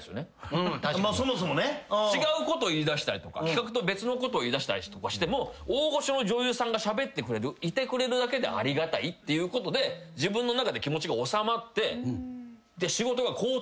企画と別のこと言いだしたりとかしても大御所の女優さんがしゃべってくれるいてくれるだけでありがたいっていうことで自分の中で気持ちが収まって。